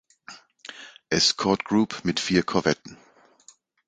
Escort Group mit vier Korvetten.